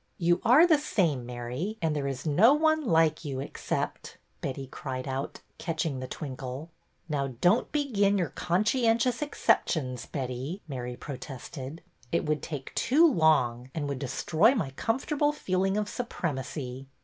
'' You are the same Mary, and there is no one like you except —" Betty cried out, catching the twinkle. '' Now don't begin your conscientious excep tions, Betty," Mary protested. It would take too long and would destroy my comfortable feeling of supremacy."